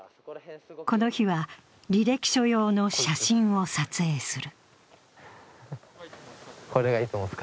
この日は、履歴書用の写真を撮影する。